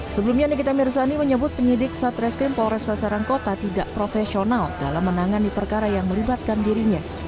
sebelumnya nikita mirzani menyebut penyidik satreskrim polres sasaran kota tidak profesional dalam menangani perkara yang melibatkan dirinya